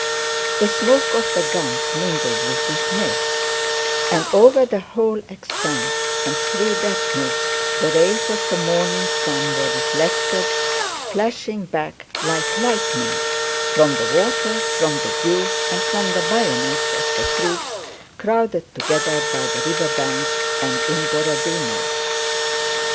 The smoke of the guns mingled with this mist, and over the whole expanse and through that mist the rays of the morning sun were reflected, flashing back like lightning from the water, from the dew, and from the bayonets of the troops crowded together by the riverbanks and in Borodinó.